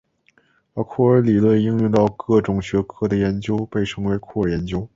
把酷儿理论应用到各种学科的研究被称为酷儿研究。